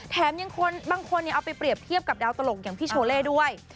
บางคนบางคนเอาไปเปรียบเทียบกับดาวตลกอย่างพี่โชเล่ด้วย